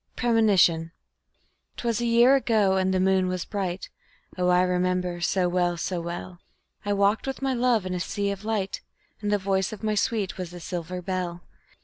Premonition 'Twas a year ago and the moon was bright (Oh, I remember so well, so well); I walked with my love in a sea of light, And the voice of my sweet was a silver bell.